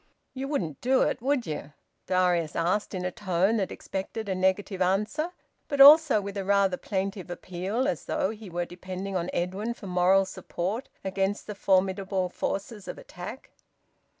"You wouldn't do it, would ye?" Darius asked, in a tone that expected a negative answer; but also with a rather plaintive appeal, as though he were depending on Edwin for moral support against the formidable forces of attack.